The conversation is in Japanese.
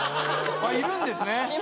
いるんですね。